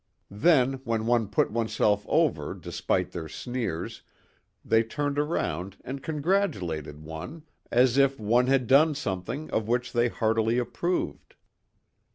Then when one put oneself over despite their sneers they turned around and congratulated one as if one had done something of which they heartily approved.